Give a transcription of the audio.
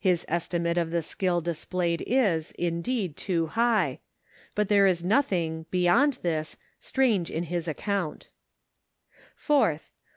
His estimate of the skill dis played is, indeed, too high ; but there is nothing, beyond this, strange in his ac count 4th.